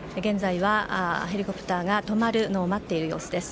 ヘリコプターが止まるのを待っている様子です。